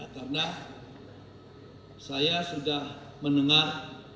karena saya sudah mendengar